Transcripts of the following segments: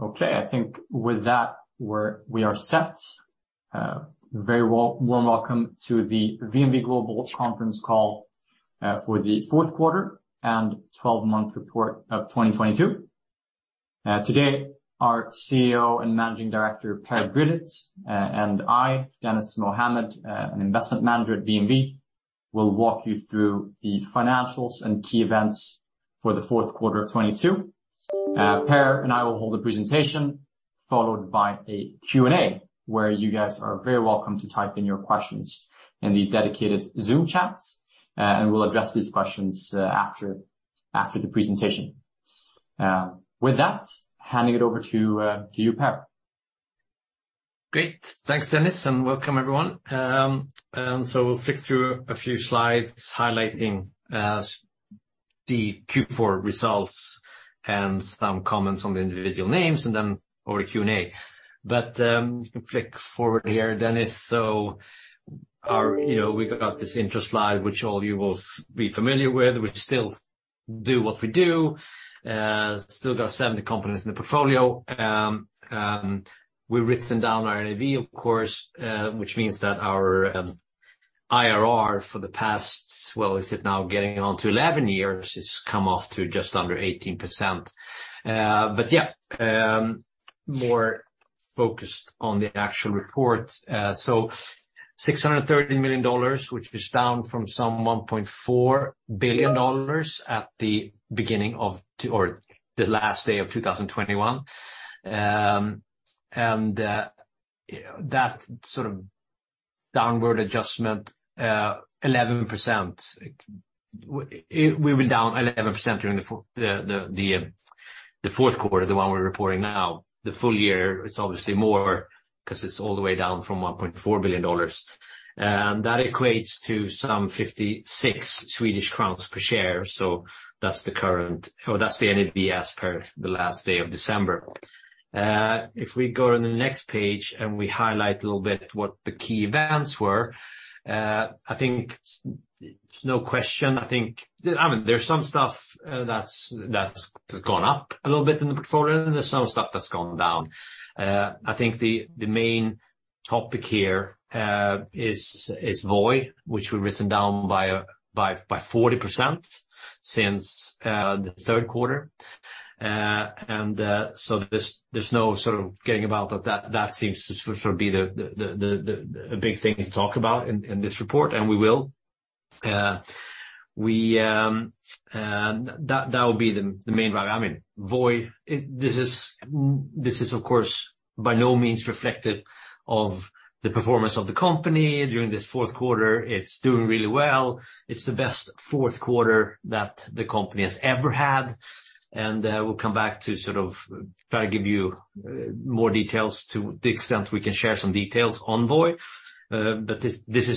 Okay, I think with that, we are set. Very warm welcome to the VNV Global conference call for the fourth quarter and 12-month report of 2022. Today, our CEO and Managing Director, Per Brilioth, and I, Dennis Mohammad, an Investment Manager at VNV, will walk you through the financials and key events for the fourth quarter of 2022. Per and I will hold a presentation followed by a Q&A, where you guys are very welcome to type in your questions in the dedicated Zoom chats, and we'll address these questions after the presentation. With that, handing it over to you, Per. Great. Thanks, Dennis, and welcome everyone. We'll flick through a few slides highlighting the Q4 results and some comments on the individual names and then or a Q&A. You can flick forward here, Dennis. Our you know, we've got this intro slide, which all you will be familiar with. We still do what we do, still got 70 companies in the portfolio. We've written down our NAV, of course, which means that our IRR for the past, well, is it now getting on to 11 years, has come off to just under 18%. Yeah, more focused on the actual report. $613 million, which is down from some $1.4 billion at the beginning of or the last day of 2021. That sort of downward adjustment, 11%. We were down 11% during the fourth quarter, the one we're reporting now. The full year, it's obviously more 'cause it's all the way down from $1.4 billion. That equates to some 56 Swedish crowns per share. That's the current. Or that's the NAV as per the last day of December. If we go to the next page and we highlight a little bit what the key events were, I think it's no question. I think. I mean, there's some stuff that's gone up a little bit in the portfolio, and there's some stuff that's gone down. I think the main topic here, is Voi, which we've written down by 40% since the third quarter. So there's no sort of getting about that seems to sort of be the a big thing to talk about in this report, and we will. We, that would be the main driver. I mean, Voi, this is of course by no means reflective of the performance of the company during this fourth quarter. It's doing really well. It's the best fourth quarter that the company has ever had. We'll come back to sort of try to give you more details to the extent we can share some details on Voi. but this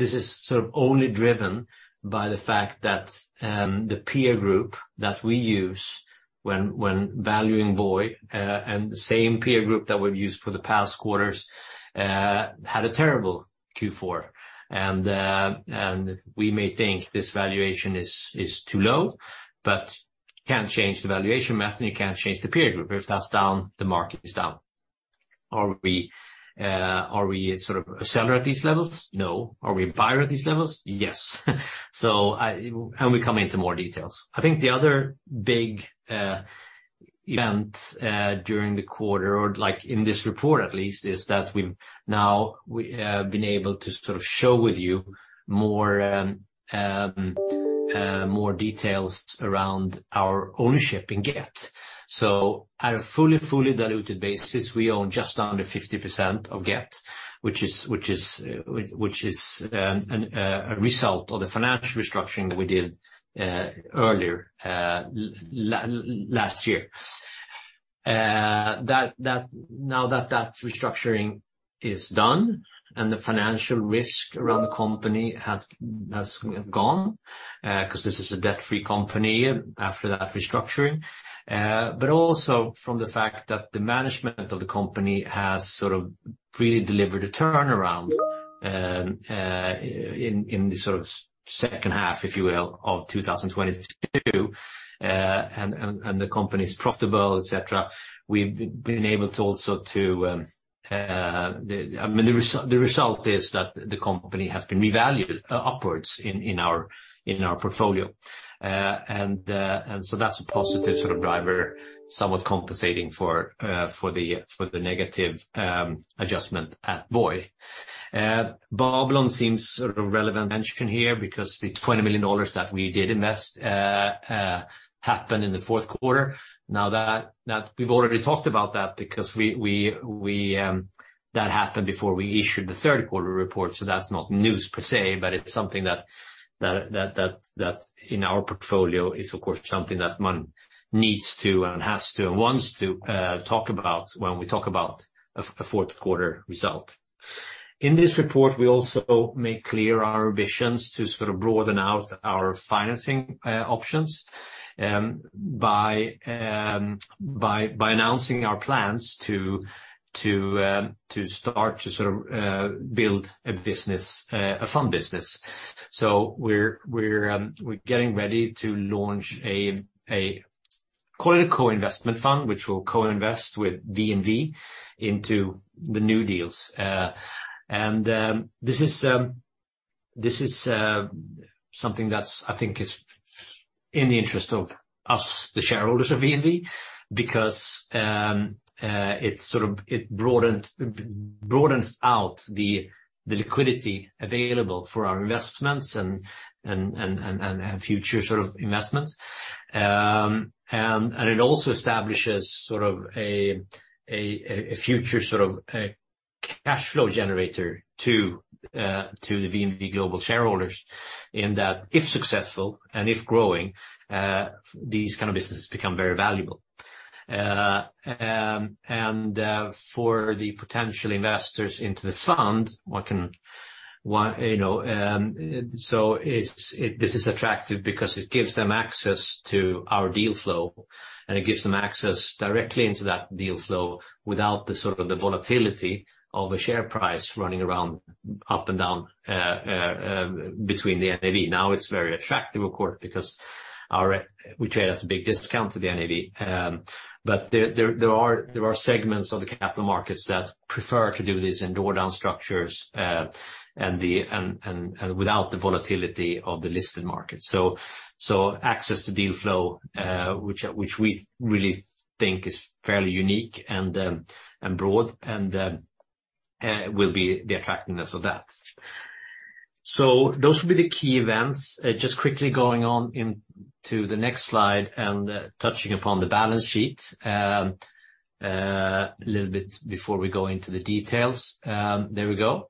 is sort of only driven by the fact that the peer group that we use when valuing Voi, and the same peer group that we've used for the past quarters, had a terrible Q4. We may think this valuation is too low, but can't change the valuation method, you can't change the peer group. If that's down, the market is down. Are we sort of a seller at these levels? No. Are we a buyer at these levels? Yes. We come into more details. I think the other big event during the quarter or like in this report at least, is that we've now we been able to sort of show with you more details around our ownership in Gett. At a fully diluted basis, we own just under 50% of Gett, which is, which is, an, a result of the financial restructuring that we did, earlier, last year. That, now that that restructuring is done and the financial risk around the company has gone, 'cause this is a debt-free company after that restructuring, also from the fact that the management of the company has sort of really delivered a turnaround, in the sort of second half, if you will, of 2022, and the company is profitable, et cetera. We've been able to also to, I mean, the result is that the company has been revalued, upwards in our portfolio. That's a positive sort of driver, somewhat compensating for the negative adjustment at Voi. Babylon seems sort of relevant mention here because the $20 million that we did invest happened in the fourth quarter. Now that we've already talked about that because we that happened before we issued the third quarter report, so that's not news per se, but it's something that in our portfolio is of course something that one needs to and has to and wants to talk about when we talk about a fourth quarter result. In this report, we also make clear our visions to sort of broaden out our financing options, by announcing our plans to start to sort of build a business, a fund business. We're getting ready to launch Call it a co-investment fund, which will co-invest with VNV into the new deals. This is something that's, I think is in the interest of us, the shareholders of VNV, because it sort of broadens out the liquidity available for our investments and future sort of investments. It also establishes sort of a future sort of a cash flow generator to the VNV Global shareholders in that, if successful and if growing, these kind of businesses become very valuable. For the potential investors into the fund, one can, you know, this is attractive because it gives them access to our deal flow, and it gives them access directly into that deal flow without the sort of the volatility of a share price running around, up and down between the NAV. It's very attractive, of course, because our, we trade at a big discount to the NAV. There are segments of the capital markets that prefer to do this in draw-down structures. Without the volatility of the listed market. Access to deal flow, which we really think is fairly unique and broad, will be the attractiveness of that. Those will be the key events. Just quickly going on into the next slide and touching upon the balance sheet a little bit before we go into the details. There we go.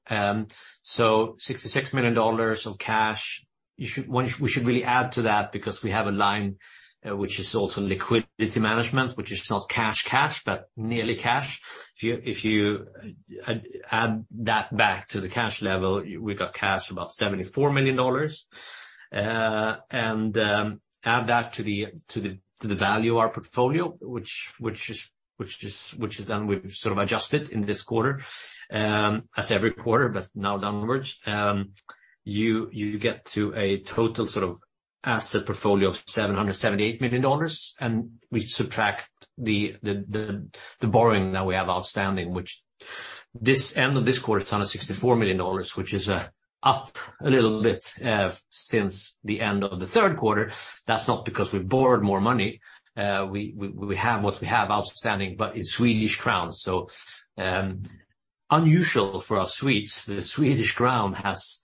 66 million dollars of cash. We should really add to that because we have a line, which is also liquidity management, which is not cash cash, but nearly cash. If you add that back to the cash level, we've got cash of about $74 million. Add that to the value of our portfolio, which is then we've sort of adjusted in this quarter, as every quarter, but now downwards. You get to a total sort of asset portfolio of $778 million, and we subtract the borrowing that we have outstanding, which this end of this quarter is on a $64 million, which is up a little bit since the end of the third quarter. That's not because we borrowed more money. We have what we have outstanding, but in Swedish crowns. Unusual for us Swedes, the Swedish crown has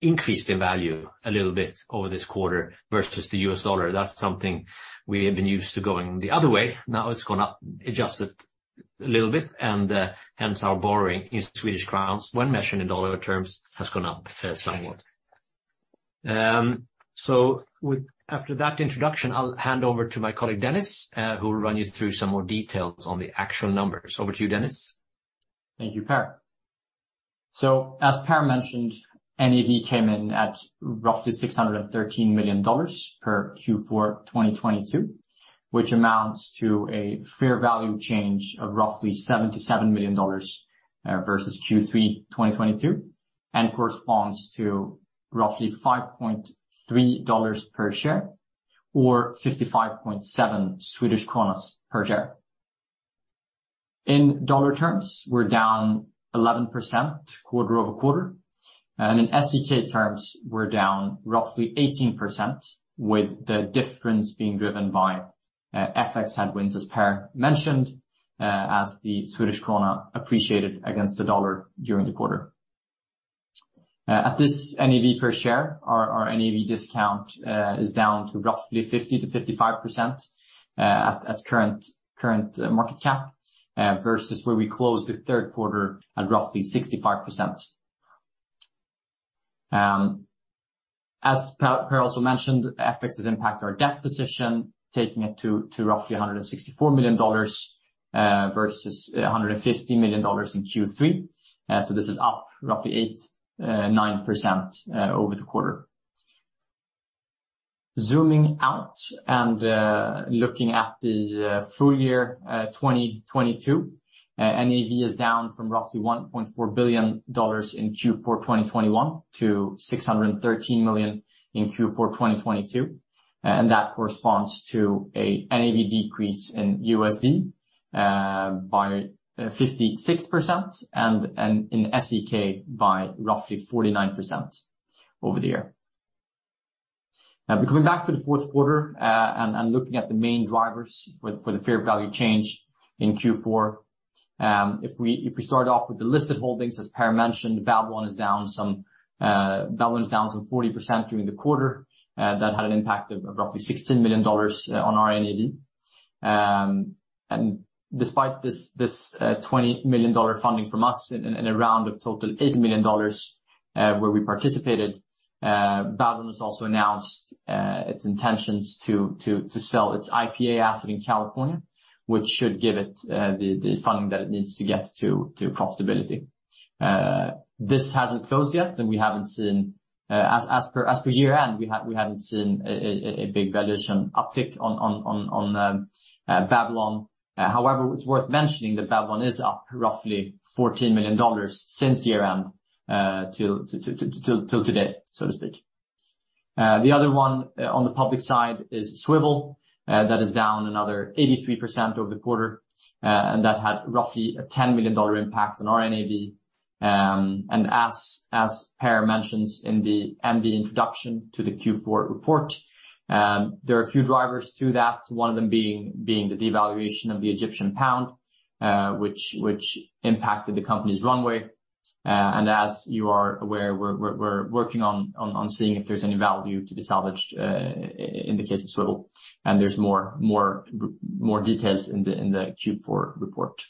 increased in value a little bit over this quarter versus the U.S. dollar. That's something we have been used to going the other way. Now it's gone up, adjusted a little bit and hence our borrowing in Swedish kronas when measured in dollar terms, has gone up somewhat. After that introduction, I'll hand over to my colleague, Dennis, who will run you through some more details on the actual numbers. Over to you, Dennis. Thank you, Per. As Per mentioned, NAV came in at roughly $613 million per Q4 2022, which amounts to a fair value change of roughly $77 million versus Q3 2022, and corresponds to roughly $5.3 per share or 55.7 Swedish kronor per share. In dollar terms, we're down 11% quarter-over-quarter, and in SEK terms, we're down roughly 18%, with the difference being driven by FX headwinds, as Per mentioned, as the Swedish krona appreciated against the dollar during the quarter. At this NAV per share, our NAV discount is down to roughly 50%-55% at current market cap versus where we closed the third quarter at roughly 65%. As Per also mentioned, FX has impacted our debt position, taking it to roughly $164 million versus $150 million in Q3. This is up roughly 8%, 9% over the quarter. Zooming out and looking at the full year 2022, NAV is down from roughly $1.4 billion in Q4 2021 to $613 million in Q4 2022. That corresponds to a NAV decrease in USD by 56% and in SEK by roughly 49% over the year. Coming back to the fourth quarter, and looking at the main drivers for the fair value change in Q4, if we start off with the listed holdings, as Per mentioned, Babylon's down some 40% during the quarter. That had an impact of roughly $16 million on our NAV. Despite this $20 million funding from us in a round of total $8 million, where we participated, Babylon has also announced its intentions to sell its IPA asset in California, which should give it the funding that it needs to get to profitability. This hasn't closed yet, we haven't seen, as per year end. We haven't seen a big valuation uptick on Babylon. However, it's worth mentioning that Babylon is up roughly $14 million since year-end. Till today, so to speak. The other one on the public side is Swvl that is down another 83% over the quarter. That had roughly a $10 million impact on our NAV. As Per mentions in the MD introduction to the Q4 report, there are a few drivers to that, one of them being the devaluation of the Egyptian pound, which impacted the company's runway. As you are aware, we're working on seeing if there's any value to be salvaged in the case of Swvl. There's more details in the Q4 report.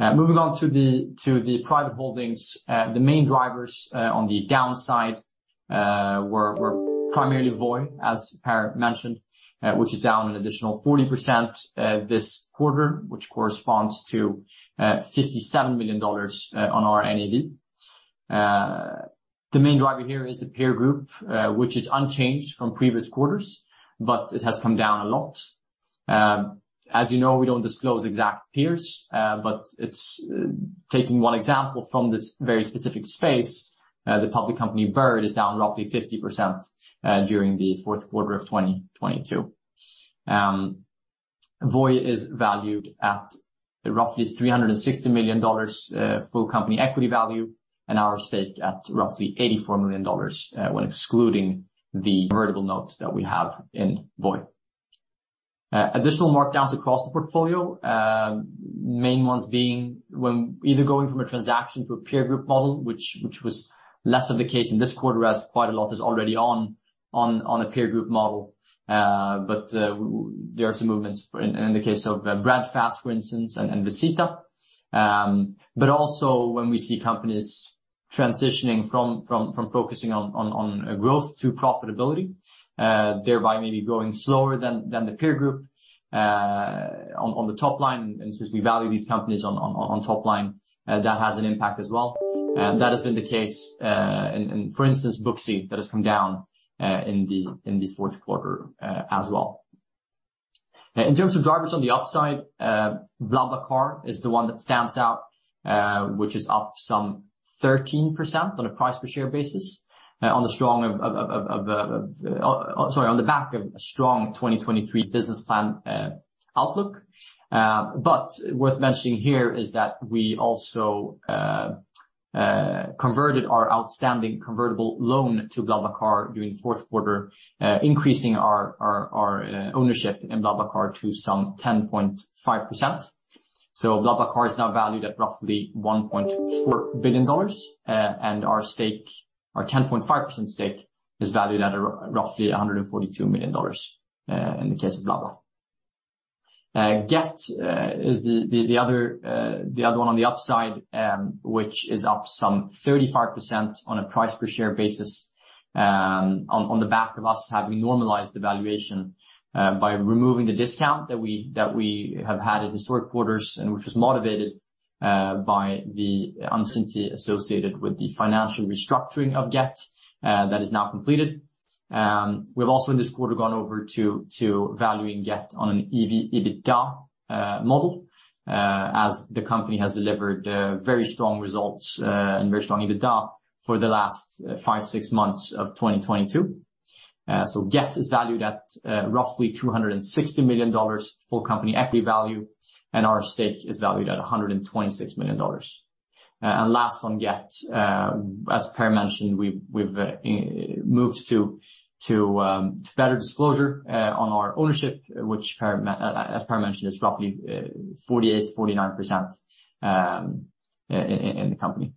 Moving on to the private holdings. The main drivers on the downside were primarily Voi, as Per mentioned, which is down an additional 40% this quarter, which corresponds to $57 million on our NAV. The main driver here is the peer group, which is unchanged from previous quarters, but it has come down a lot. As you know, we don't disclose exact peers, but it's taking one example from this very specific space, the public company Bird is down roughly 50% during the fourth quarter of 2022. Voi is valued at roughly $360 million, full company equity value, and our stake at roughly $84 million, when excluding the convertible notes that we have in Voi. Additional markdowns across the portfolio. Main ones being when either going from a transaction to a peer group model, which was less of the case in this quarter, as quite a lot is already on a peer group model. There are some movements in the case of Breadfast, for instance, and Vezeeta. Also when we see companies transitioning from focusing on growth to profitability, thereby maybe growing slower than the peer group on the top line. Since we value these companies on top line, that has an impact as well. That has been the case in for instance, Booksy, that has come down in the fourth quarter as well. In terms of drivers on the upside, BlaBlaCar is the one that stands out, which is up some 13% on a price per share basis on the strong of on the back of a strong 2023 business plan outlook. But worth mentioning here is that we also converted our outstanding convertible loan to BlaBlaCar during the fourth quarter, increasing our ownership in BlaBlaCar to some 10.5%. BlaBlaCar is now valued at roughly $1.4 billion, and our stake, our 10.5% stake is valued at roughly $142 million, in the case of BlaBlaCar. Gett is the other one on the upside, which is up some 35% on a price per share basis, on the back of us having normalized the valuation, by removing the discount that we, that we have had in historic quarters and which was motivated, by the uncertainty associated with the financial restructuring of Gett, that is now completed. We've also in this quarter gone over to valuing Gett on an EV/EBITDA model, as the company has delivered very strong results and very strong EBITDA for the last five, six months of 2022. Gett is valued at roughly $260 million full company equity value, and our stake is valued at $126 million. Last on Gett, as Per mentioned, we've moved to better disclosure on our ownership, which as Per mentioned, is roughly 48%, 49% in the company.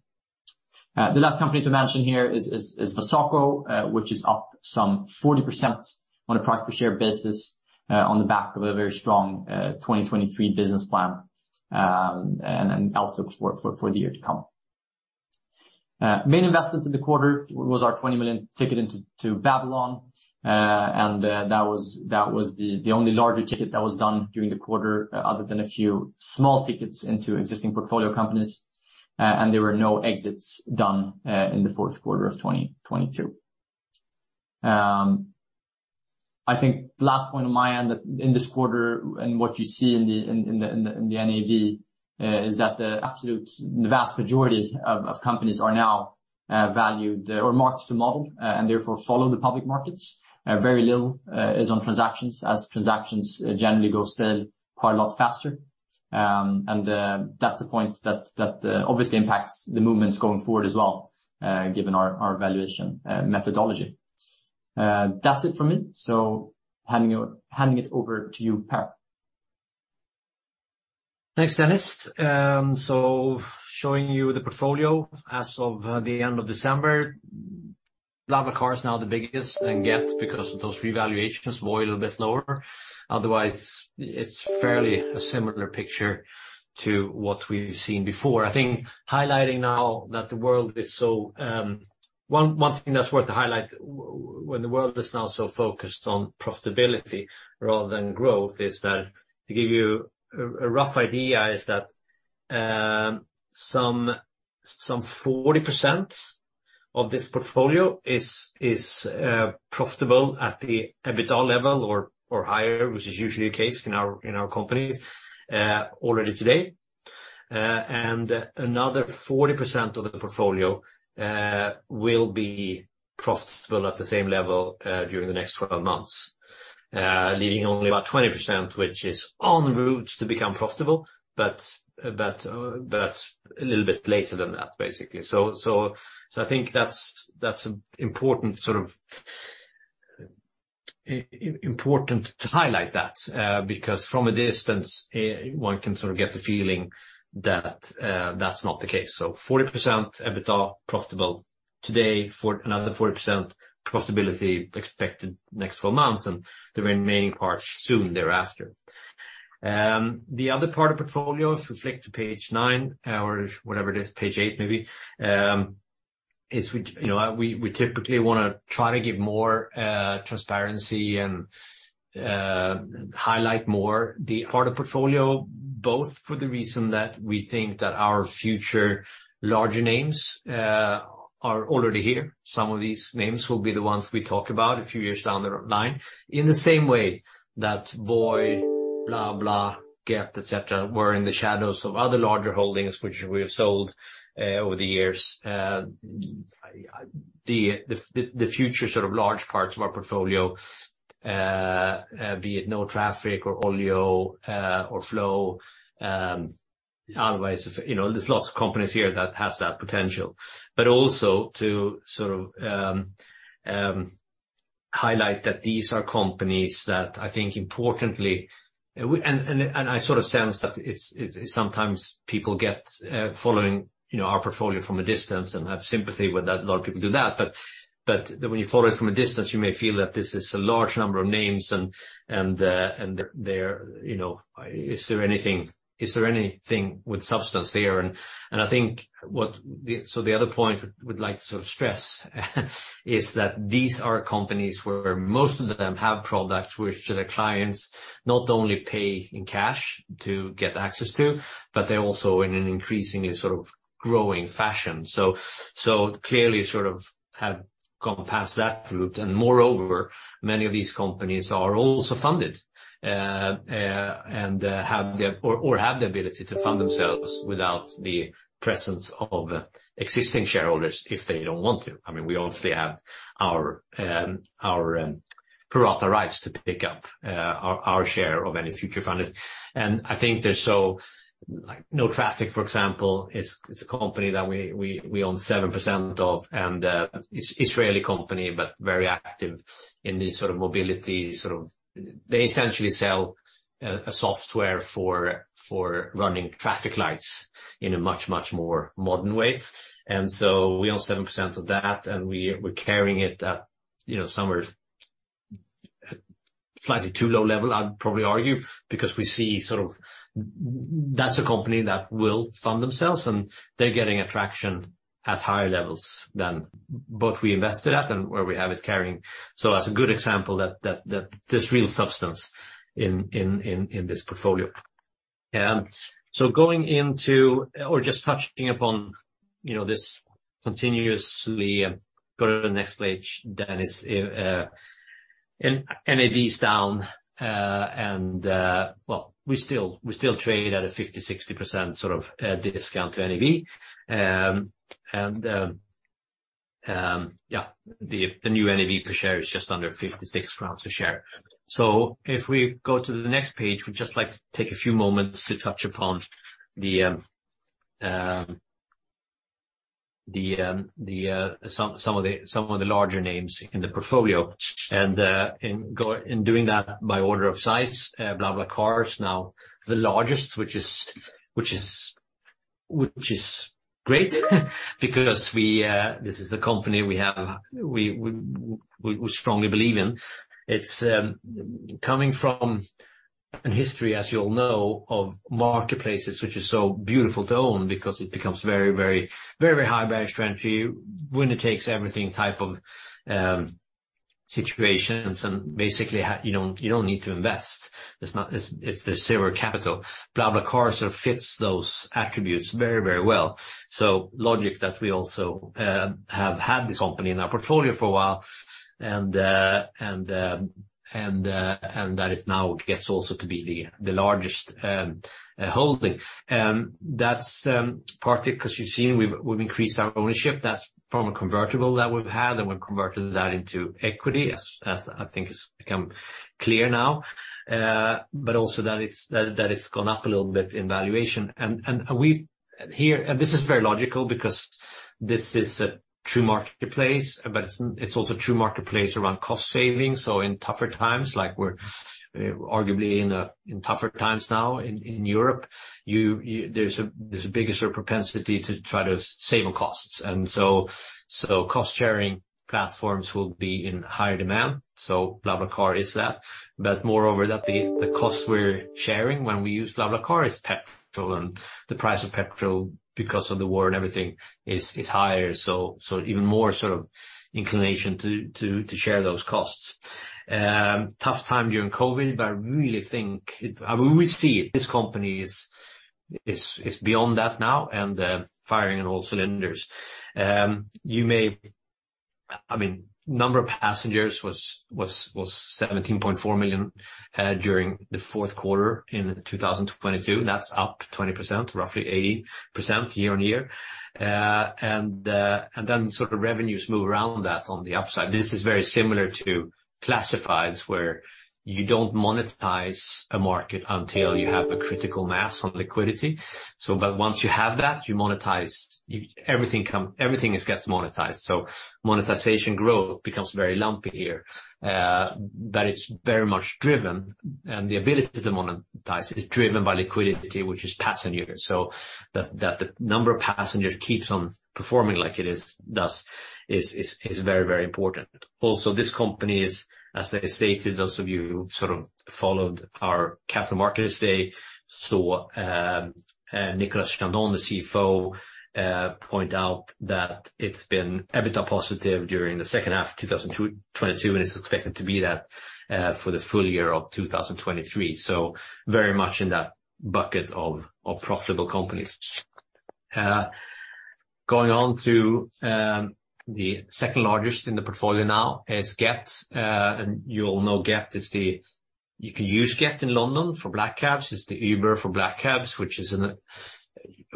The last company to mention here is Wasoko, which is up some 40% on a price per share basis, on the back of a very strong 2023 business plan and outlook for the year to come. Main investments in the quarter was our $20 million ticket into Babylon. That was the only larger ticket that was done during the quarter, other than a few small tickets into existing portfolio companies. There were no exits done in the fourth quarter of 2022. I think the last point on my end in this quarter and what you see in the NAV is that the absolute vast majority of companies are now valued or mark to model and therefore follow the public markets. Very little is on transactions, as transactions generally go sell quite a lot faster. That's a point that obviously impacts the movements going forward as well, given our valuation methodology. That's it for me. Handing it over to you, Per. Thanks, Dennis. Showing you the portfolio as of the end of December. BlaBlaCar is now the biggest in Gett because of those revaluations, Voi a little bit lower. Otherwise, it's fairly a similar picture to what we've seen before. I think highlighting now that the world is so, One thing that's worth to highlight when the world is now so focused on profitability rather than growth, is that to give you a rough idea, is that, some 40%. Of this portfolio is profitable at the EBITDA level or higher, which is usually the case in our companies already today. Another 40% of the portfolio will be profitable at the same level during the next 12 months. Leaving only about 20%, which is en route to become profitable, but a little bit later than that, basically. I think that's important, sort of. Important to highlight that, because from a distance, one can sort of get the feeling that that's not the case. 40% EBITDA profitable today, another 40% profitability expected next 12 months, and the remaining parts soon thereafter. The other part of portfolios, reflect to page nine or whatever it is, page eight maybe, is which, you know, we typically wanna try to give more transparency and highlight more the part of portfolio, both for the reason that we think that our future larger names are already here. Some of these names will be the ones we talk about a few years down the line. In the same way that Voi, BlaBlaCar, Gett, et cetera, were in the shadows of other larger holdings, which we have sold over the years. The future sort of large parts of our portfolio, be it NoTraffic or Olio, or Flo, otherwise, you know, there's lots of companies here that has that potential. Also to sort of highlight that these are companies that I think importantly... I sort of sense that it's sometimes people get following, you know, our portfolio from a distance and have sympathy with that. A lot of people do that. When you follow it from a distance, you may feel that this is a large number of names and they're, you know, is there anything with substance there? I think the other point we'd like to sort of stress is that these are companies where most of them have products which the clients not only pay in cash to get access to, but they're also in an increasingly sort of growing fashion. Clearly sort of have gone past that route. Moreover, many of these companies are also funded and have the ability to fund themselves without the presence of existing shareholders if they don't want to. I mean, we obviously have our pro rata rights to pick up our share of any future funders. I think there's NoTraffic, for example, is a company that we own 7% of, and Israeli company, but very active in this sort of mobility. They essentially sell a software for running traffic lights in a much more modern way. We own 7% of that, and we're carrying it at, you know, somewhere slightly too low level, I'd probably argue, because we see sort of that's a company that will fund themselves, and they're getting attraction at higher levels than both we invested at and where we have it carrying. That's a good example that there's real substance in this portfolio. Going into or just touching upon, you know, this continuously, go to the next page, Dennis. NAV is down, and well, we still trade at a 50%-60% sort of discount to NAV. Yeah, the new NAV per share is just under £56 a share. If we go to the next page, we'd just like to take a few moments to touch upon some of the larger names in the portfolio. In doing that by order of size, BlaBlaCar is now the largest, which is great because we strongly believe in. It's coming from a history, as you all know, of marketplaces which is so beautiful to own because it becomes very high barrier to entry, winner takes everything type of situations and basically you don't need to invest. It's the zero capital. BlaBlaCar sort of fits those attributes very well. Logic that we also have had this company in our portfolio for a while and that it now gets also to be the largest holding. That's partly 'cause you've seen we've increased our ownership. That's from a convertible that we've had, and we've converted that into equity, as I think it's become clear now. Also that it's gone up a little bit in valuation. Here, and this is very logical because this is a true marketplace, but it's also true marketplace around cost savings. In tougher times, like we're arguably in a in tougher times now in Europe, there's a bigger sort of propensity to try to save on costs. Cost-sharing platforms will be in higher demand. BlaBlaCar is that. Moreover, that the costs we're sharing when we use BlaBlaCar is petrol. The price of petrol, because of the war and everything, is higher. Even more sort of inclination to share those costs. Tough time during COVID, but I mean, we see it, this company is beyond that now and firing on all cylinders. I mean, number of passengers was $17.4 million during the fourth quarter in 2022. That's up 20%, roughly 80% year-on-year. Sort of revenues move around that on the upside. This is very similar to classifieds where you don't monetize a market until you have a critical mass on liquidity. Once you have that, you monetize, everything gets monetized. Monetization growth becomes very lumpy here, but it's very much driven and the ability to monetize it is driven by liquidity, which is passengers. That the number of passengers keeps on performing like it is very, very important. This company is, as I stated, those of you who sort of followed our capital markets day, saw Nadja Borisova, the CFO, point out that it's been EBITDA positive during the second half of 2022, and it's expected to be that for the full year of 2023. Very much in that bucket of profitable companies. Going on to the second largest in the portfolio now is Gett. You all know Gett is the-- you can use Gett in London for black cabs, it's the Uber for black cabs, which is in a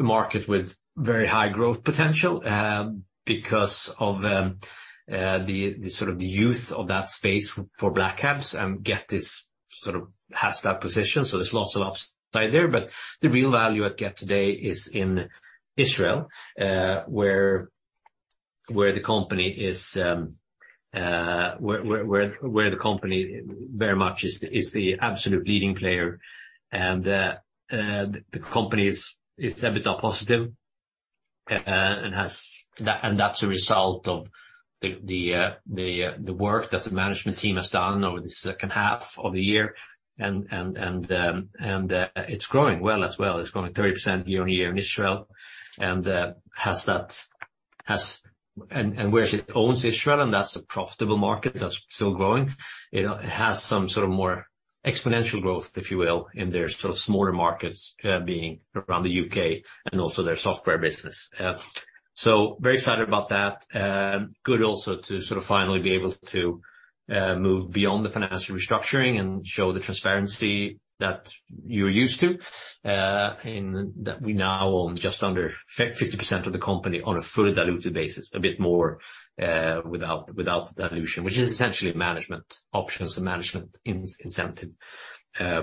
market with very high growth potential, because of the sort of the youth of that space for black cabs and Gett is sort of has that position. There's lots of upside there. The real value at Gett today is in Israel, where the company is, where the company very much is the absolute leading player. The company is EBITDA positive and has-- and that's a result of the work that the management team has done over the second half of the year. It's growing well as well. It's growing 30% year-over-year in Israel. Where it owns Israel, and that's a profitable market that's still growing. It has some sort of more exponential growth, if you will, in their sort of smaller markets, being around the U.K. and also their software business. Very excited about that. Good also to sort of finally be able to move beyond the financial restructuring and show the transparency that you're used to, in that we now own just under 50% of the company on a fully diluted basis, a bit more, without dilution, which is essentially management options and management incentive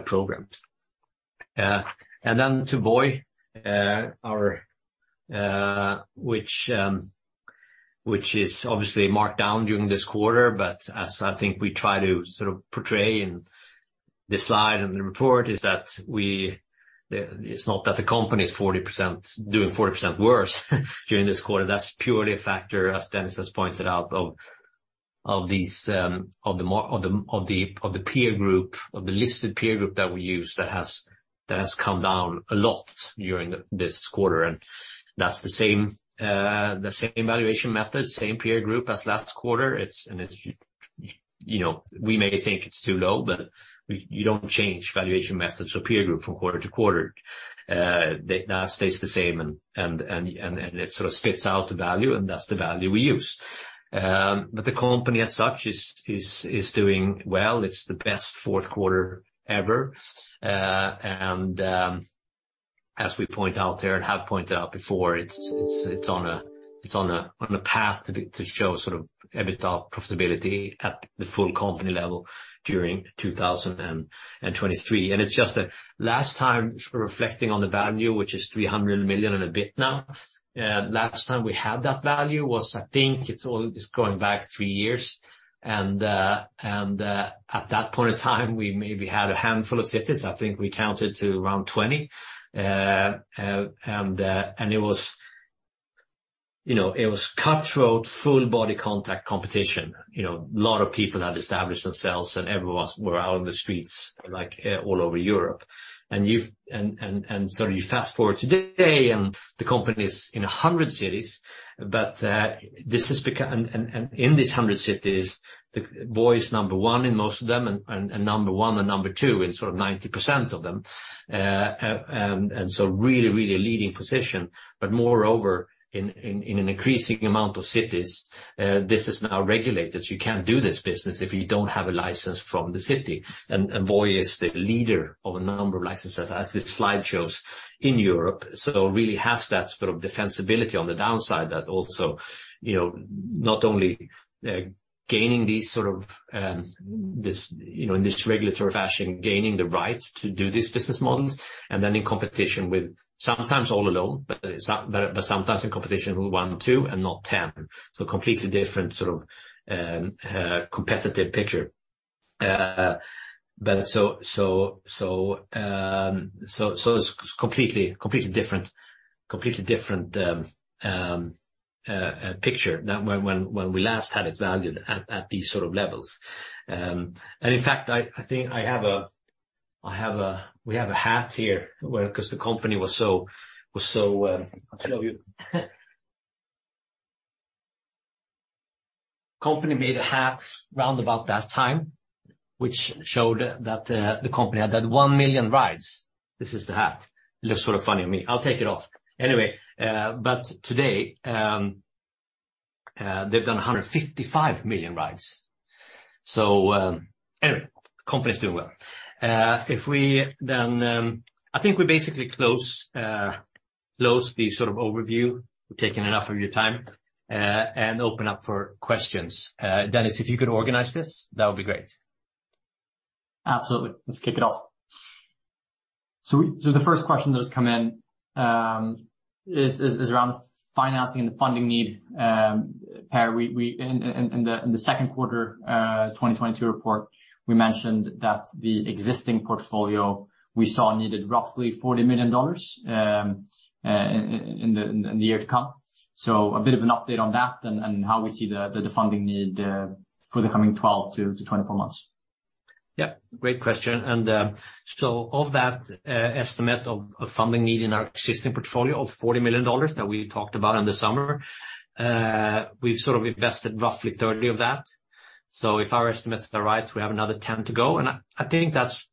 programs. Then to Voi, our, which is obviously marked down during this quarter, but as I think we try to sort of portray in this slide and the report is that it's not that the company is doing 40% worse during this quarter. That's purely a factor, as Dennis has pointed out, of these, of the peer group, of the listed peer group that we use that has come down a lot during this quarter. That's the same, the same valuation method, same peer group as last quarter. You know, we may think it's too low, but you don't change valuation methods for peer group from quarter to quarter. That stays the same and it sort of spits out the value, and that's the value we use. The company as such is doing well. It's the best fourth quarter ever. As we point out there and have pointed out before, it's on a, it's on a, on a path to show sort of EBITDA profitability at the full company level during 2023. It's just that last time reflecting on the value, which is $300 million and a bit now, last time we had that value was I think it's going back three years. At that point in time, we maybe had a handful of cities. I think we counted to around 20. It was, you know, it was cutthroat, full body contact competition. You know, a lot of people had established themselves and everyone were out in the streets like all over Europe. So you fast-forward today and the company is in 100 cities. This has become and in these 100 cities, Voi is number one in most of them and number one and number two in sort of 90% of them. So really, really a leading position. Moreover, in an increasing amount of cities, this is now regulated. You can't do this business if you don't have a license from the city. Voi is the leader of a number of licenses, as this slide shows, in Europe. Really has that sort of defensibility on the downside that also, you know, not only gaining these sort of this, you know, in this regulatory fashion, gaining the right to do these business models, and then in competition with sometimes all alone, but sometimes in competition with one, two, and not 10. Completely different sort of competitive picture. So it's completely different picture than when we last had it valued at these sort of levels. In fact, I think we have a hat here 'cause the company was so, I'll show you. Company made a hats round about that time, which showed that the company had 1 million rides. This is the hat. It looks sort of funny on me. I'll take it off. Anyway, today, they've done 155 million rides. Anyway, company's doing well. I think we basically close the sort of overview. We've taken enough of your time, and open up for questions. Dennis, if you could organize this, that would be great. Absolutely. Let's kick it off. The first question that has come in is around financing and the funding need. Per, in the second quarter 2022 report, we mentioned that the existing portfolio we saw needed roughly $40 million in the year to come. A bit of an update on that and how we see the funding need for the coming 12-24 months. Yeah, great question. Of that estimate of funding need in our existing portfolio of $40 million that we talked about in the summer, we've sort of invested roughly 30 of that. If our estimates are right, we have another 10 to go. I think that's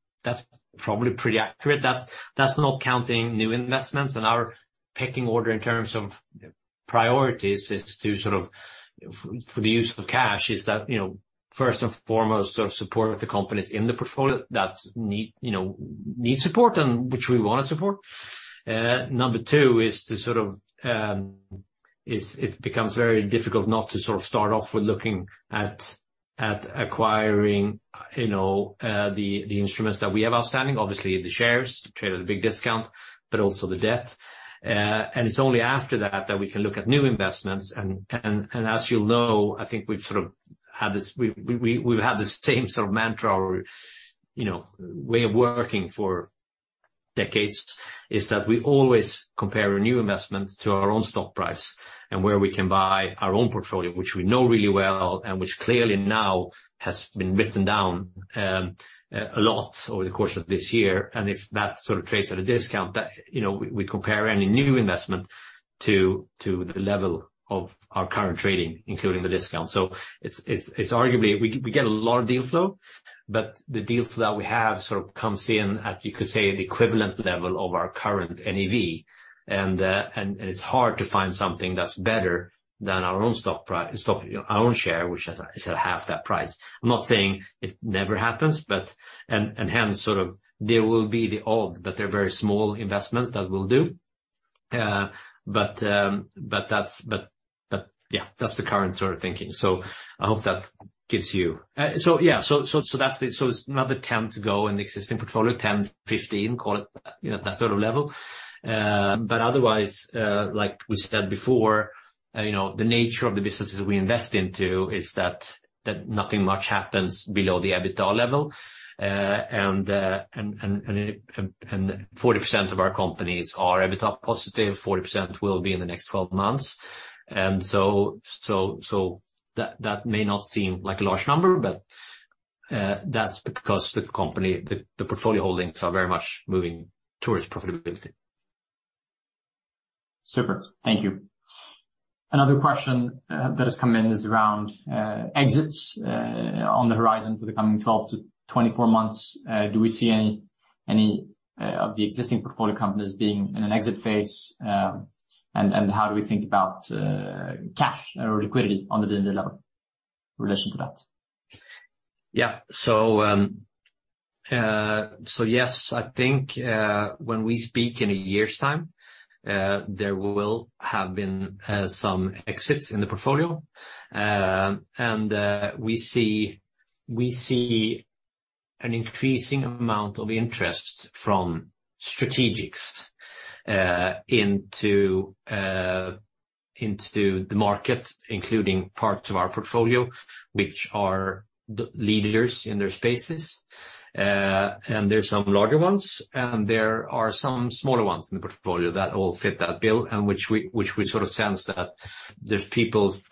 probably pretty accurate. That's not counting new investments. Our pecking order in terms of priorities is for the use of cash, is that, you know, first and foremost, sort of support the companies in the portfolio that need, you know, need support and which we wanna support. Number two is to sort of, it becomes very difficult not to sort of start off with looking at acquiring, you know, the instruments that we have outstanding, obviously the shares trade at a big discount, but also the debt. It's only after that we can look at new investments and as you'll know, I think we've sort of had this. We've had the same sort of mantra or, you know, way of working for decades, is that we always compare a new investment to our own stock price and where we can buy our own portfolio, which we know really well and which clearly now has been written down, a lot over the course of this year. If that sort of trades at a discount that, you know, we compare any new investment to the level of our current trading, including the discount. It's arguably we get a lot of deal flow, but the deal flow that we have sort of comes in at, you could say, the equivalent level of our current NAV. It's hard to find something that's better than our own stock, you know, our own share, which is at half that price. I'm not saying it never happens, but. Hence sort of there will be the odd, but they're very small investments that we'll do. That's, but yeah, that's the current sort of thinking. I hope that gives you. Yeah, so that's the. It's another 10 to go in the existing portfolio, 10, 15, call it, you know, that sort of level. Otherwise, like we said before, you know, the nature of the businesses we invest into is that nothing much happens below the EBITDA level. 40% of our companies are EBITDA positive, 40% will be in the next 12 months. That may not seem like a large number, but that's because the company, the portfolio holdings are very much moving towards profitability. Super. Thank you. Another question that has come in is around exits on the horizon for the coming 12-24 months. Do we see any of the existing portfolio companies being in an exit phase? How do we think about cash or liquidity on the. Yes, I think, when we speak in a year's time, there will have been some exits in the portfolio. We see an increasing amount of interest from strategics, into the market, including parts of our portfolio, which are the leaders in their spaces. There's some larger ones, and there are some smaller ones in the portfolio that all fit that bill and which we sort of sense that there's people's...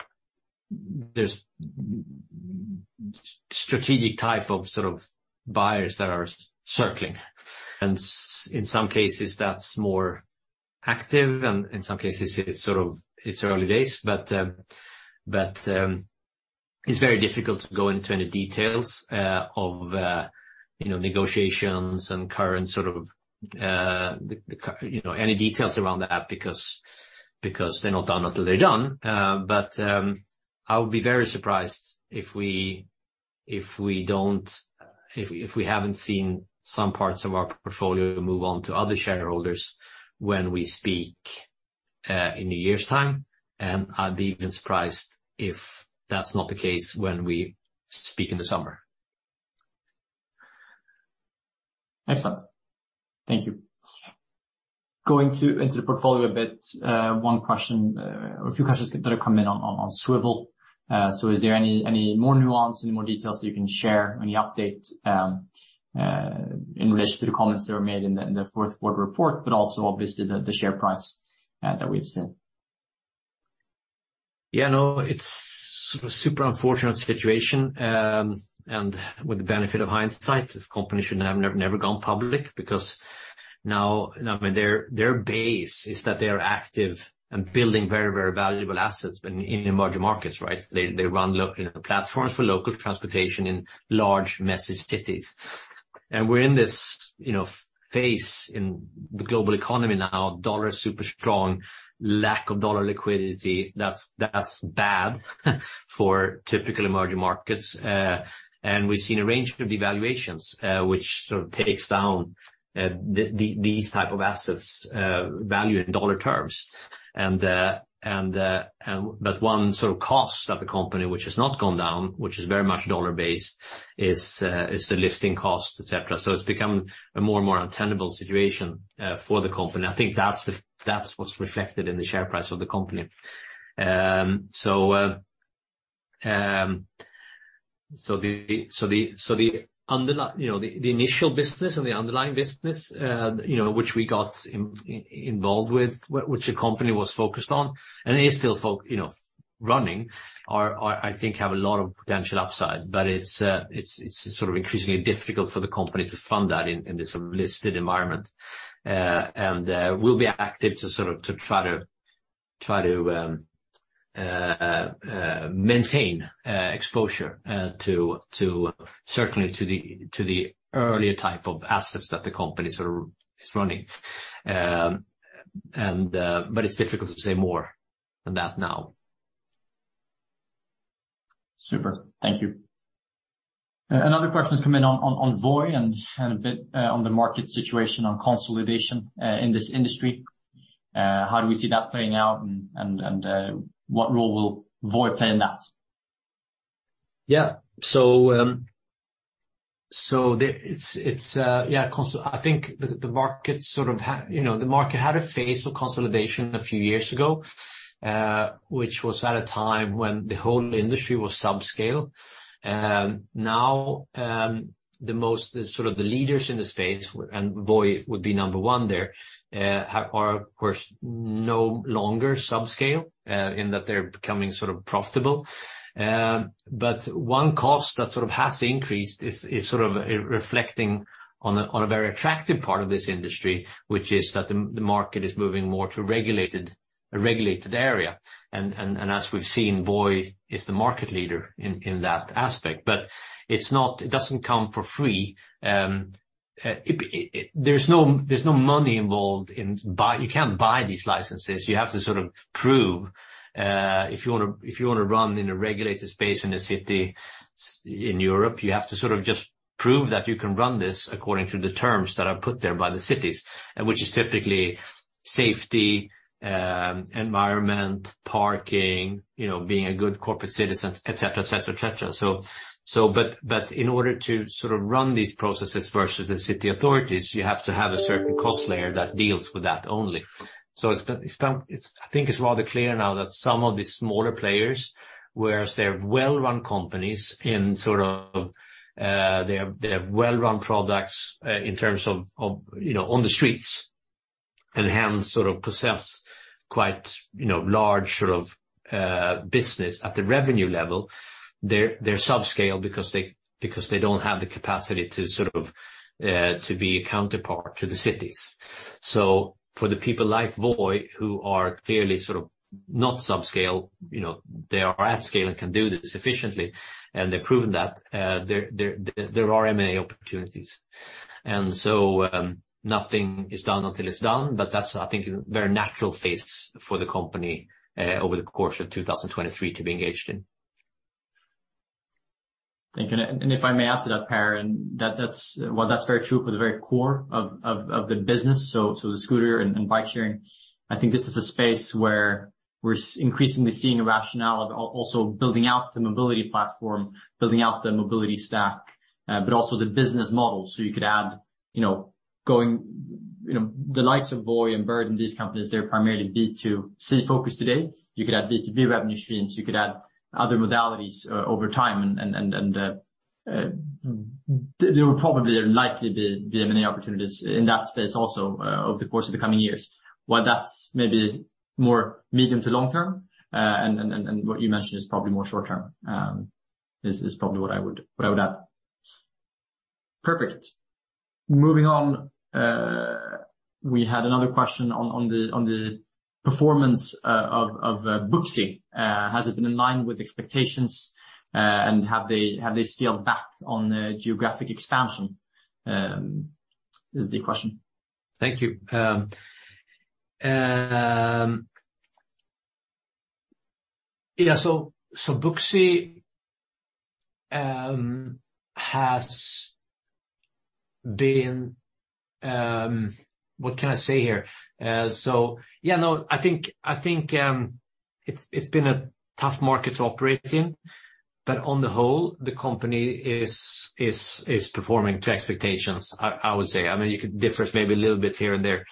There's strategic type of sort of buyers that are circling. In some cases that's more active, and in some cases it's sort of, it's early days. It's very difficult to go into any details, of, you know, negotiations and current sort of, the current. You know, any details around that because they're not done until they're done. But, I would be very surprised if we don't, if we haven't seen some parts of our portfolio move on to other shareholders when we speak, in a year's time. I'd be even surprised if that's not the case when we speak in the summer. Excellent. Thank you. Into the portfolio a bit, one question or a few questions that have come in on Swvl. Is there any more nuance, any more details that you can share? Any update in relation to the comments that were made in the fourth quarter report, but also obviously the share price that we've seen? Yeah, no, it's super unfortunate situation. With the benefit of hindsight, this company should have never gone public because now their base is that they are active and building very valuable assets in emerging markets, right? They run local platforms for local transportation in large messy cities. We're in this, you know, phase in the global economy now, dollar is super strong, lack of dollar liquidity, that's bad for typical emerging markets. We've seen a range of devaluations, which sort of takes down the these type of assets value in dollar terms. But one sort of cost of the company which has not gone down, which is very much dollar-based, is the listing cost, et cetera. It's become a more and more untenable situation for the company. I think that's what's reflected in the share price of the company. The, you know, the initial business and the underlying business, you know, which we got involved with, which the company was focused on, and is still focused on, you know, running, I think have a lot of potential upside. It's sort of increasingly difficult for the company to fund that in this listed environment. We'll be active to sort of, to try to maintain exposure to certainly to the earlier type of assets that the company sort of is running. It's difficult to say more than that now. Super. Thank you. Another question has come in on Voi and a bit on the market situation on consolidation in this industry. How do we see that playing out and what role will Voi play in that? Yeah. It's, yeah, I think the market sort of You know, the market had a phase of consolidation a few years ago, which was at a time when the whole industry was subscale. The sort of the leaders in the space, and Voi would be number one there, have or of course, no longer subscale, in that they're becoming sort of profitable. One cost that sort of has increased is sort of reflecting on a very attractive part of this industry, which is that the market is moving more to a regulated area. As we've seen, Voi is the market leader in that aspect. It doesn't come for free. It. There's no money involved in. You can't buy these licenses. You have to sort of prove, if you wanna run in a regulated space in a city in Europe, you have to sort of just prove that you can run this according to the terms that are put there by the cities, and which is typically safety, environment, parking, you know, being a good corporate citizen, et cetera, et cetera, et cetera. But in order to sort of run these processes versus the city authorities, you have to have a certain cost layer that deals with that only. It's been, it's done, I think it's rather clear now that some of the smaller players, whereas they're well-run companies in sort of, they have well-run products, in terms of, you know, on the streets and hence sort of possess quite, you know, large sort of, business at the revenue level. They're, they're subscale because they, because they don't have the capacity to sort of, to be a counterpart to the cities. For the people like Voi, who are clearly sort of not subscale, you know, they are at scale and can do this efficiently, and they've proven that, there are M&A opportunities. Nothing is done until it's done, but that's, I think, a very natural phase for the company, over the course of 2023 to be engaged in. Thank you. If I may add to that, Per, and that's, while that's very true for the very core of the business, so the scooter and bike sharing, I think this is a space where we're increasingly seeing a rationale of also building out the mobility platform, building out the mobility stack, but also the business model. You could add, you know, going, you know, the likes of Voi and Bird and these companies, they're primarily B2C focused today. You could add B2B revenue streams, you could add other modalities over time and there will probably or likely be M&A opportunities in that space also over the course of the coming years. While that's maybe more medium to long term, and what you mentioned is probably more short term, is probably what I would, what I would add. Perfect. Moving on, we had another question on the performance of Booksy. Has it been in line with expectations, and have they scaled back on geographic expansion, is the question. Thank you. Booksy has been, what can I say here? I think it's been a tough market to operate in, on the whole, the company is performing to expectations, I would say. I mean, you could differ maybe a little bit here and there.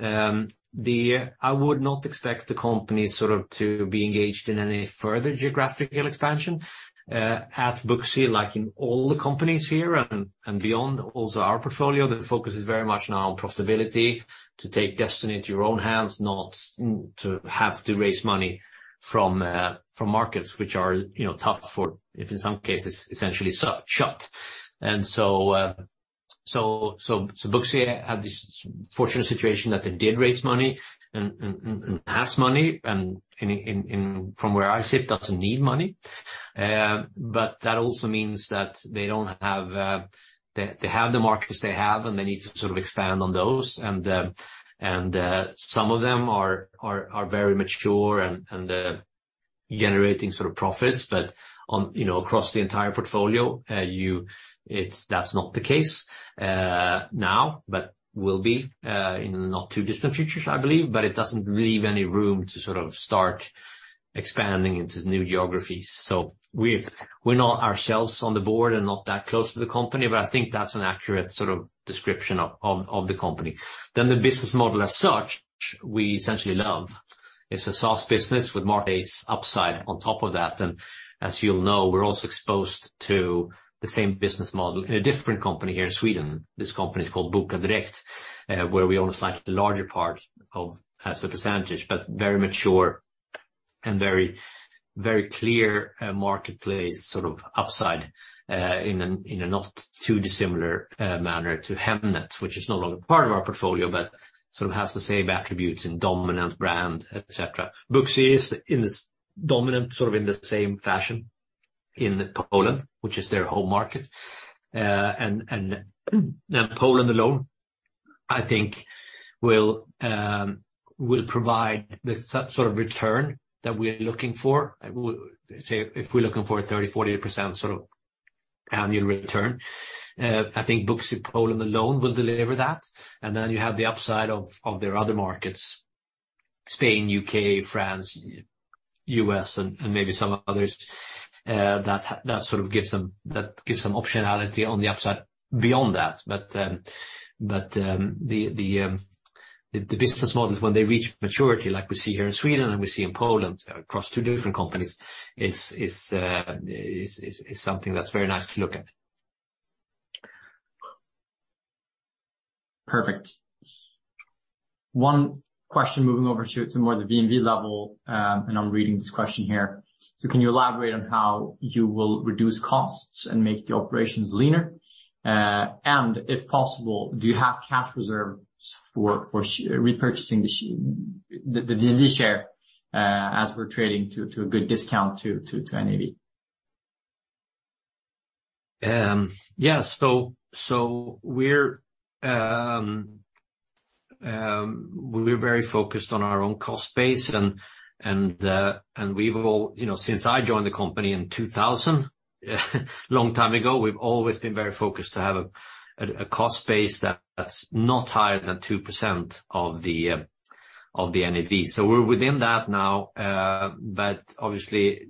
I would not expect the company sort of to be engaged in any further geographical expansion at Booksy. Like in all the companies here and beyond also our portfolio, the focus is very much now on profitability, to take destiny into your own hands, not to have to raise money from markets which are, you know, tough for, if in some cases essentially shut. Booksy had this fortunate situation that they did raise money and has money, and in from where I sit, doesn't need money. That also means that they don't have. They have the markets they have, and they need to sort of expand on those. Some of them are very mature and generating sort of profits. On, you know, across the entire portfolio, that's not the case now, but will be in the not too distant future, I believe. It doesn't leave any room to sort of start expanding into new geographies. We're not ourselves on the board and not that close to the company, but I think that's an accurate sort of description of the company. The business model as such, we essentially love. It's a SaaS business with more days upside on top of that. As you'll know, we're also exposed to the same business model in a different company here in Sweden. This company is called Bokadirekt, where we own a slightly larger part of as a percentage, but very mature and very, very clear marketplace sort of upside in a not too dissimilar manner to Hemnet, which is no longer part of our portfolio, but sort of has the same attributes and dominant brand, etc. Booksy is in this dominant sort of in the same fashion in Poland, which is their home market. Poland alone, I think will provide the sort of return that we're looking for. Say, if we're looking for a 30%-48% sort of annual return, I think Booksy Poland alone will deliver that. Then you have the upside of their other markets, Spain, U.K., France, U.S., and maybe some others, that gives some optionality on the upside beyond that. The business models, when they reach maturity, like we see here in Sweden and we see in Poland across two different companies, is something that's very nice to look at. Perfect. One question, moving over to more the VNV level. I'm reading this question here. Can you elaborate on how you will reduce costs and make the operations leaner? If possible, do you have cash reserves for repurchasing the VNV share, as we're trading to a good discount to NAV? We're very focused on our own cost base. We've all, you know, since I joined the company in 2000, long time ago, we've always been very focused to have a cost base that's not higher than 2% of the NAV. We're within that now. Obviously,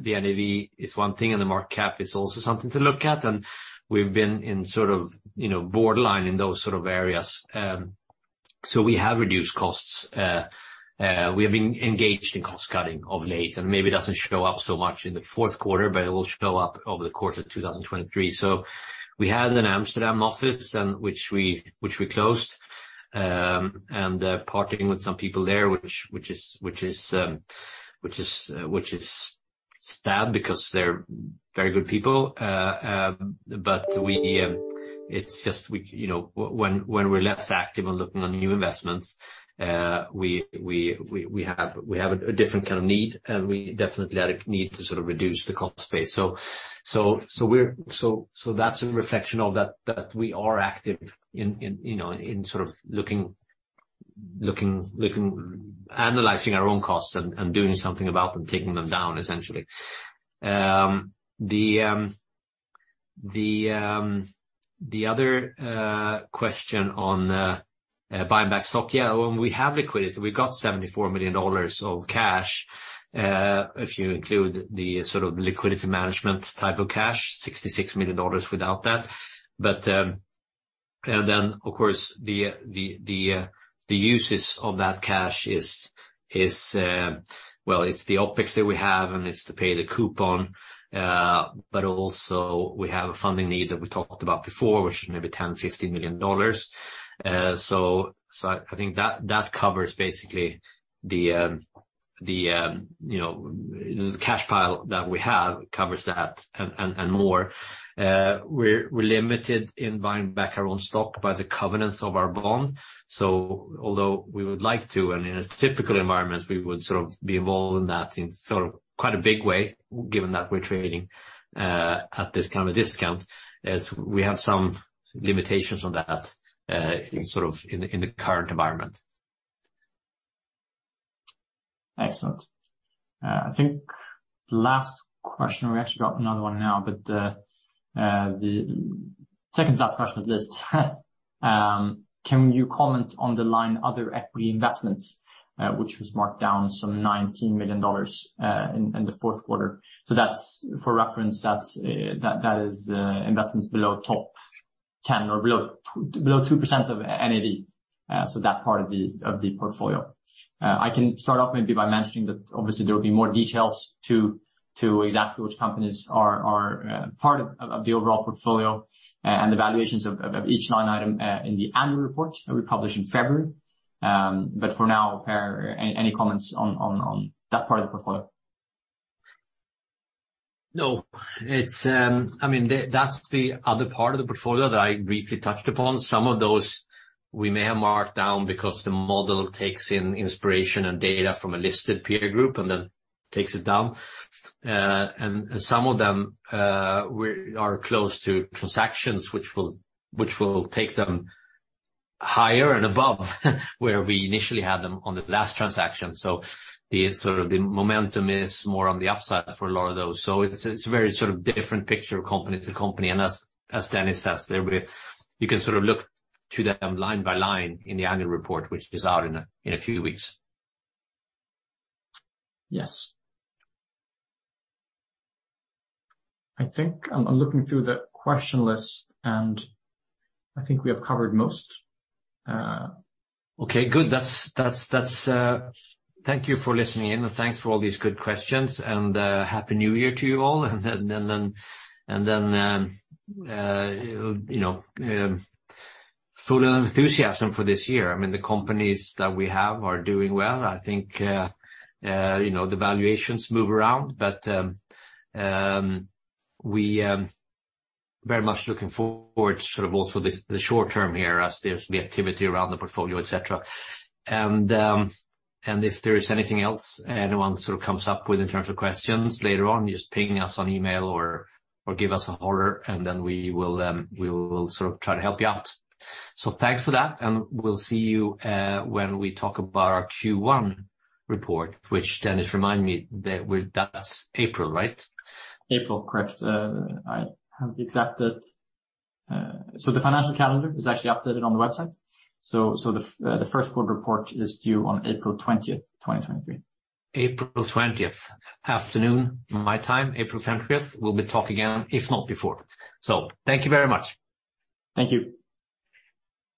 the NAV is one thing, and the market cap is also something to look at. We've been in sort of, you know, borderline in those sort of areas. We have reduced costs. We have been engaged in cost-cutting of late, and maybe it doesn't show up so much in the fourth quarter, but it will show up over the course of 2023. We had an Amsterdam office and which we closed, and parting with some people there, which is sad because they're very good people. We, it's just we, you know, when we're less active on looking on new investments, we have a different kind of need, and we definitely had a need to sort of reduce the cost base. We're so that's a reflection of that we are active in, you know, in sort of looking, analyzing our own costs and doing something about them, taking them down, essentially. The other question on buying back stock. When we have liquidity, we've got $74 million of cash, if you include the sort of liquidity management type of cash, $66 million without that. Of course, the uses of that cash is, well, it's the OpEx that we have, and it's to pay the coupon, but also we have funding needs that we talked about before, which is maybe $10 million-$15 million. I think that covers basically the, you know, the cash pile that we have covers that and more. We're limited in buying back our own stock by the covenants of our bond. Although we would like to, and in a typical environment, we would sort of be involved in that in sort of quite a big way, given that we're trading, at this kind of a discount, is we have some limitations on that, in sort of, in the, in the current environment. Excellent. I think the last question, we actually got another one now, but the second to last question of the list. Can you comment on the line other equity investments, which was marked down some $19 million, in the fourth quarter? That's, for reference, that's, that is, investments below top 10 or below 2% of NAV, so that part of the portfolio. I can start off maybe by mentioning that obviously there will be more details to exactly which companies are part of the overall portfolio and the valuations of each line item, in the annual report that we publish in February. For now, Per, any comments on that part of the portfolio? I mean, that's the other part of the portfolio that I briefly touched upon. Some of those we may have marked down because the model takes in inspiration and data from a listed peer group and then takes it down. Some of them, we are close to transactions which will take them higher and above where we initially had them on the last transaction. The sort of the momentum is more on the upside for a lot of those. It's very sort of different picture company to company. As Dennis says, there, you can sort of look to them line by line in the annual report, which is out in a few weeks. Yes. I think I'm looking through the question list, and I think we have covered most. Okay, good. Thank you for listening in, and thanks for all these good questions. Happy New Year to you all. Then, you know, full of enthusiasm for this year. I mean, the companies that we have are doing well. I think, you know, the valuations move around, but we very much looking forward sort of also the short-term here as there's the activity around the portfolio, et cetera. If there is anything else anyone sort of comes up with in terms of questions later on, just pinging us on email or give us a holler, then we will sort of try to help you out. Thanks for that, and we'll see you, when we talk about our Q1 report, which Dennis remind me that with that's April, right? April, correct. I have the exact date. The financial calendar is actually updated on the website. The first quarter report is due on April 20th, 2023. April twentieth. Afternoon my time, April 20th, we'll be talking if not before. Thank you very much. Thank you.